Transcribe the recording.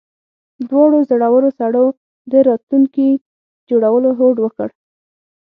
دواړو زړورو سړو د راتلونکي جوړولو هوډ وکړ